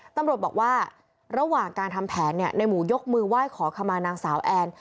ตำรวจบอกว่าระหว่างการทำแผนในหมูยกมือไหว้ขอขมานางสาวแอน